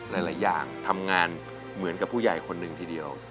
หลายอย่างทำงานเหมือนกับผู้ใหญ่คนหนึ่งทีเดียว